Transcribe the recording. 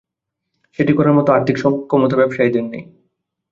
সেটি করার মতো আর্থিক সক্ষমতা ব্যবসায়ীদের নেই।